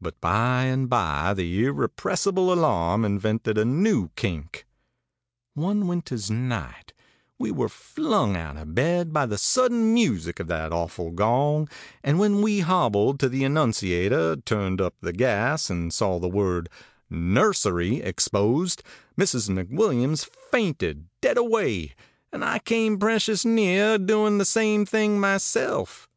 ãBut by and by the irrepressible alarm invented a new kink. One winter's night we were flung out of bed by the sudden music of that awful gong, and when we hobbled to the annunciator, turned up the gas, and saw the word 'Nursery' exposed, Mrs. McWilliams fainted dead away, and I came precious near doing the same thing myself.